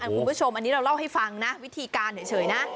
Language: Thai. คุณผู้ชมอันนี้เราเล่าให้ฟังนะวิธีการเฉยนะ